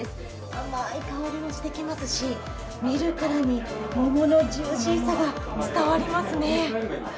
甘い香りがしてきますし、見るからに桃のジューシーさが伝わりますね。